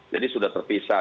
jadi sudah terpisah